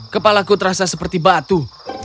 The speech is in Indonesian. kepalaku terasa seperti batu